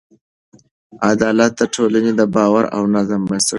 عدالت د ټولنې د باور او نظم بنسټ دی.